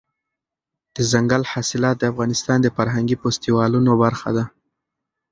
دځنګل حاصلات د افغانستان د فرهنګي فستیوالونو برخه ده.